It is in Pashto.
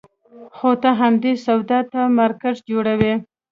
خو ته همدې سودا ته مارکېټ جوړوې.